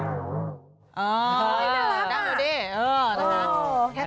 อ๋อดังแล้วด้วย